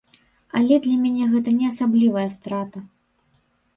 Але для мяне гэта не асаблівая страта.